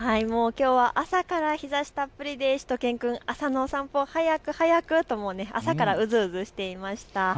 きょうは朝から日ざしたっぷりでしゅと犬くん、朝のお散歩早く、早くと朝からうずうずしていました。